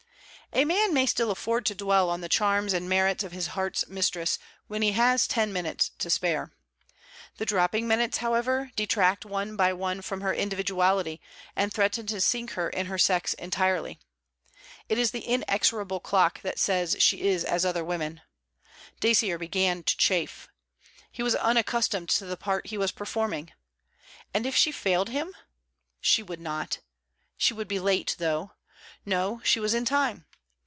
A man may still afford to dwell on the charms and merits of his heart's mistress while he has ten minutes to spare. The dropping minutes, however, detract one by one from her individuality and threaten to sink her in her sex entirely. It is the inexorable clock that says she is as other women. Dacier began to chafe. He was unaccustomed to the part he was performing: and if she failed him? She would not. She would be late, though. No, she was in time!